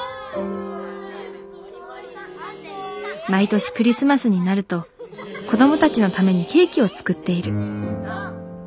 毎年クリスマスになると子どもたちのためにケーキを作っている。